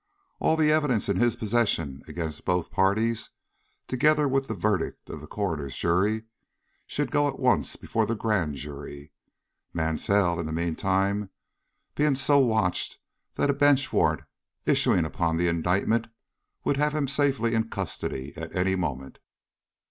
All the evidence in his possession against both parties, together with the verdict of the coroner's jury, should go at once before the Grand Jury; Mansell, in the meantime, being so watched that a bench warrant issuing upon the indictment would have him safely in custody at any moment.